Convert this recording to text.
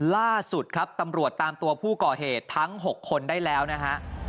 ล่าสุดครับตำรวจตามตัวผู้ก่อเหตุทั้ง๖คนได้แล้วนะฮะ